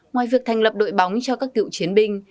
ngoài việc thành lập đội bóng cho các cựu chiến binh